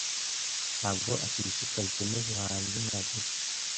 Ntabwo ashishikajwe nubuhanzi na busa.